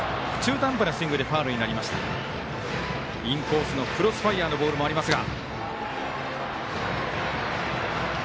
インコースのクロスファイアーのボールもありますが。